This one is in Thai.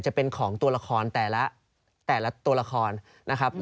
จะเป็นของตัวละครแต่ละแต่ละตัวละครนะครับ